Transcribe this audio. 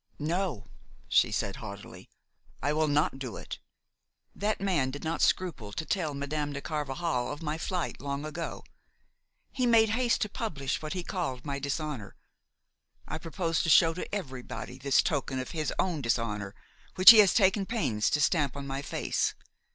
"No," she said haughtily, "I will not do it! That man did not scruple to tell Madame de Carvajal of my flight long ago; he made haste to publish what he called my dishonor. I propose to show to everybody this token of his own dishonor which he has taken pains to stamp on my face.